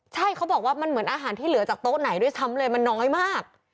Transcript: ใช่เขาบอกว่ามันเหมือนอาหารที่เหลือจากโต๊ะไหนด้วยซ้ำเลยมันน้อยมาก